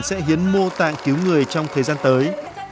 sẽ hiến mô tạng cứu người trong thời gian tới